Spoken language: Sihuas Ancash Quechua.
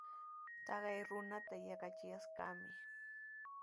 Taqay runata yaqachiyashqami.